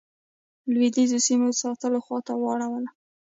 لوېدیځو سیمو ساتلو خواته واړوله.